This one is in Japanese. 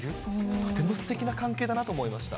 とてもすてきな関係だなと思いました。